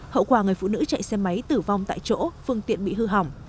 hậu quả người phụ nữ chạy xe máy tử vong tại chỗ phương tiện bị hư hỏng